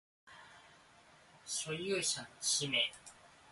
所有者の氏名